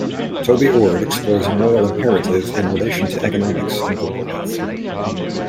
Toby Ord Explores a moral imperative in relation to economics and global health.